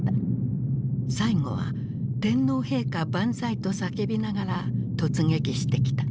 最後は「天皇陛下万歳」と叫びながら突撃してきた。